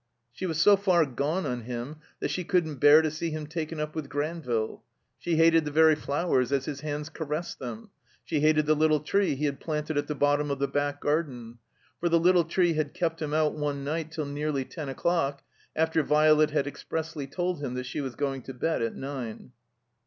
She was so far "gone on him" that she couldn't bear to see him taken up with Granville. She hated the very flowers as his hands caressed them. She hated the little tree he had planted at the bottom of the back garden. For the little tree had kept him out one night till nearly ten o'clock, after Violet had expressly told him that she was going to bed at nine.